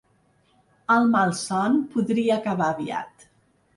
El malson podria acabar aviat.